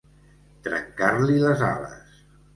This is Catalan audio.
Trencar-li les ales.